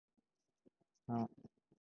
札幌市東区